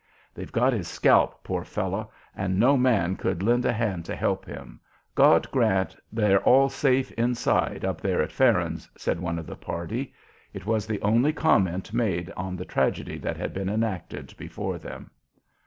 "They've got his scalp, poor fellow, and no man could lend a hand to help him. God grant they're all safe inside up there at Farron's," said one of the party; it was the only comment made on the tragedy that had been enacted before them.